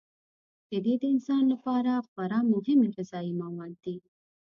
شیدې د انسان لپاره خورا مهمې غذايي مواد دي.